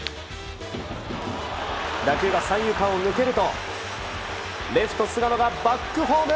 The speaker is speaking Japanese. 打球が三遊間を抜けるとレフト菅野がバックホーム。